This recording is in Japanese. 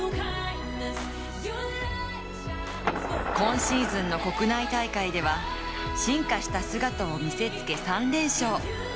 今シーズンの国内大会では、進化した姿を見せつけ３連勝。